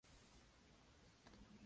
Por eso su evolución es más intensa.